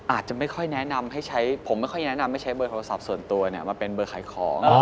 อาจจะไม่ค่อยแนะนำให้ใช้ผมไม่ค่อยแนะนำให้ใช้เบอร์โทรศัพท์ส่วนตัวมาเป็นเบอร์ขายของ